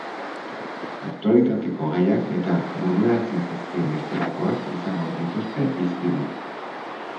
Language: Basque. Aktualitateko gaiak eta bururatzen zaizkien bestelakoak izango dituzte hizpide.